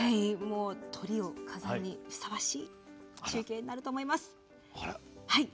トリを飾るにふさわしい中継になると思います。